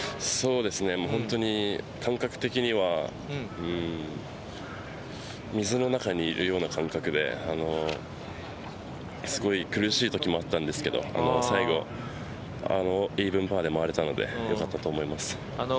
感覚的には水の中にいるような感覚ですごい苦しいときもあったんですけど最後イーブンパーで回れたので良かったと思います。